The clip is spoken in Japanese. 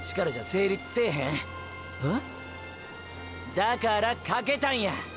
だから賭けたんや！！